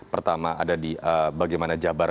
pertama ada di bagaimana jabar